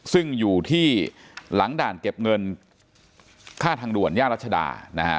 ซึ่งอยู่ที่หลังด่านเก็บเงินค่าทางด่วนย่ารัชดานะฮะ